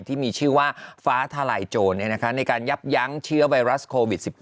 ที่มีชื่อว่าฟ้าทลายโจรในการยับยั้งเชื้อไวรัสโควิด๑๙